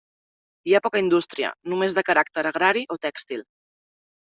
Hi ha poca indústria, només de caràcter agrari o tèxtil.